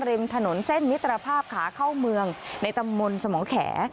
ริมถนนเส้นมิตรภาพขาเข้าเมืองในตำบลสมแข